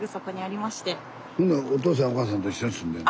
ほんならお父さんお母さんと一緒に住んでんの？